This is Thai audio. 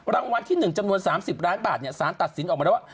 รางวัลที่๑จำนวน๓๐ล้านบาทสารตัดสินออกมาแล้วว่า